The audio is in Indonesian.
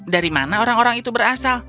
dari mana orang orang itu berasal